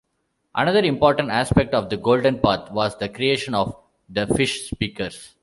Another important aspect of the Golden Path was the creation of the Fish Speakers.